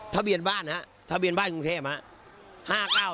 ทะเบียนบ้านฮะทะเบียนบ้านกรุงเทพครับ